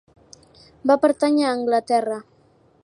Va pertànyer a Anglaterra.